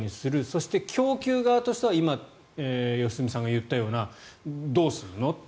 そして、供給側としては今、良純さんが言ったようなどうするのって。